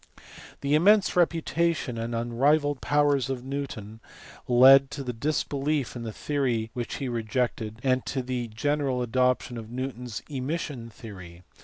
The immense reputation and unrivalled powers of Newton led to disbelief in a theory which he rejected, and to the general adoption of Newton s emission theory (see below, p.